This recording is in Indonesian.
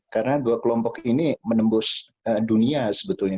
karena dua kelompok ini menembus dunia sebetulnya